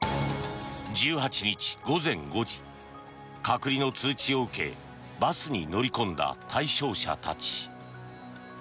１８日午前５時隔離の通知を受けバスに乗り込んだ対象者たち。